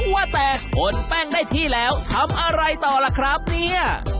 ว่าแต่คนแป้งได้ที่แล้วทำอะไรต่อล่ะครับเนี่ย